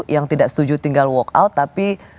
yang tidak setuju tinggal walk out tapi